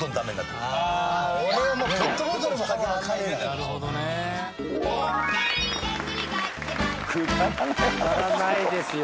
くだらないですよ。